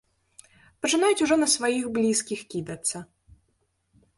Пачынаюць ужо на сваіх блізкіх кідацца.